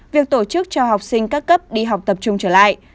việc tổ chức cho học sinh các cấp đi học tập trung trở lại